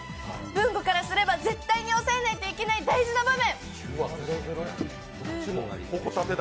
文吾からすれば絶対に抑えないといけない大事な場面。